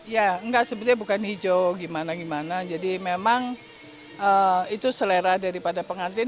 ya enggak sebenarnya bukan hijau gimana gimana jadi memang itu selera daripada pengantin